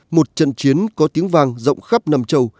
một trận chiến có tiếng vang rộng khắp nằm trâu